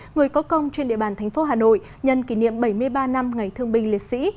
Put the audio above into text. người có công trên địa bàn thành phố hà nội nhân kỷ niệm bảy mươi ba năm ngày thương binh liệt sĩ